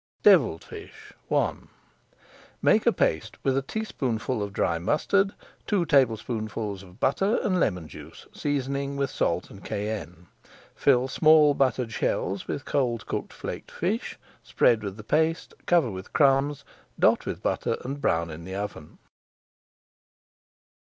DEVILLED FISH I Make a paste with a teaspoonful of dry [Page 464] mustard, two tablespoonfuls of butter, and lemon juice, seasoning with salt and cayenne. Fill small buttered shells with cold cooked flaked fish, spread with the paste, cover with crumbs, dot with butter, and brown in the oven.